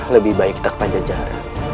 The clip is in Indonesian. lebih baik kita ke pajajar